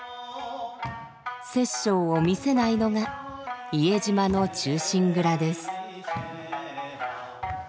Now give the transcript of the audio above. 殺生を見せないのが伊江島の「忠臣蔵」です。